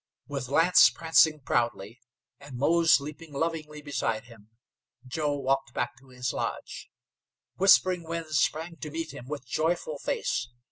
With Lance prancing proudly, and Mose leaping lovingly beside him, Joe walked back to his lodge. Whispering Winds sprang to meet him with joyful face.